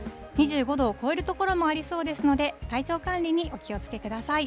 ２５度を超える所もありそうですので、体調管理にお気をつけください。